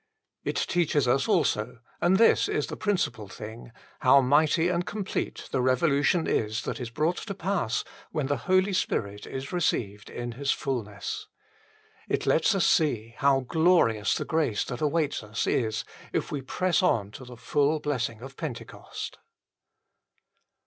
It teaches us also and this is the principal thing how mighty and complete the revolution is that is brought to pass when the Holy Spirit is received in His fulness. It lets us see how glorious the grace that awaits us is if we press on to the full blessing of Pentecost.